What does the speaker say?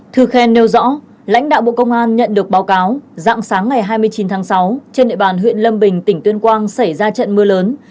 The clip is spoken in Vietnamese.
thư khen nêu rõ lãnh đạo bộ công an nhận được báo cáo dạng sáng ngày hai mươi chín tháng sáu trên địa bàn huyện lâm bình tỉnh tuyên quang xảy ra trận mưa lớn